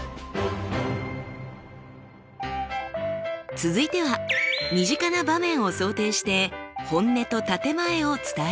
続いては身近な場面を想定して「本音」と「建て前」を伝えてみましょう。